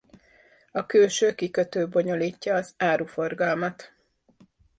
A külső kikötő bonyolítja az áruforgalmat.